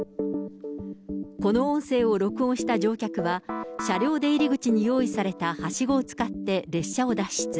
この音声を録音した乗客は、車両出入り口に用意されたはしごを使って列車を脱出。